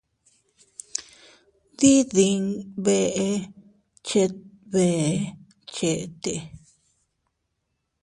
Diidin bee chet beʼe chete.